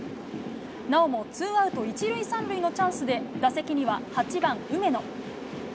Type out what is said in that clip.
なおもツーアウト１塁３塁のチャンスで打席には８番梅野。